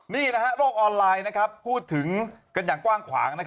นี่โลกออนไลน์พูดถึงกันอย่างกว้างขวาง